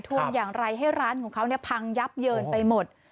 ทุนอย่างไรให้ร้านของเขาพังยับเยินไปหมด